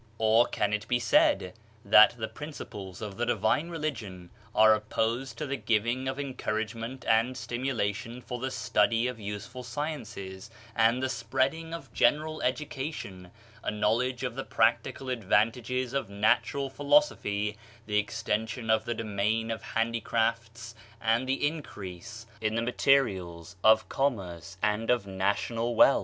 Or, can it be said that the principles of the divine religion are opposed to the giving of en couragement and stimulation for the study of use ful sciences and the spreading of general education, a knowledge of the practical advantages of natural philosophy, the extension of the domain of handi crafts and the increase of the materials of com merce and national wealth?